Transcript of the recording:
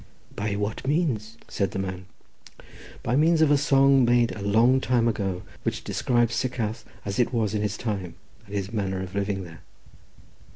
"By what means?" said the man. "By means of a song made a long time ago, which describes Sycharth as it was in his time, and his manner of living there."